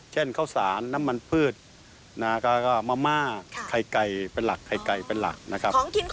เช่นข้าวสารน้ำมันพืชมะม่าไข่ไก่เป็นหลักไข่ไก่เป็นหลักนะครับ